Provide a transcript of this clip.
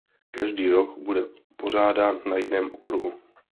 Každý rok bude pořádán na jiném okruhu.